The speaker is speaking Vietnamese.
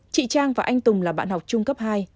chị trang và anh tùng là bạn học trung cấp hai